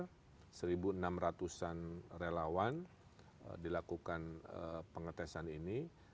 jadi itu sudah berarti satu enam ratus an relawan dilakukan pengetesan ini